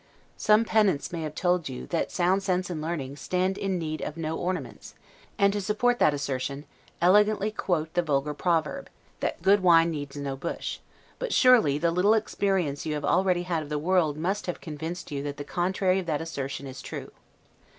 Some pedants may have told you that sound sense and learning stand in, need of no ornaments; and, to support that assertion, elegantly quote the vulgar proverb, that GOOD WINE NEEDS NO BUSH; but surely the little experience you have already had of the world must have convinced you that the contrary of that assertion is true.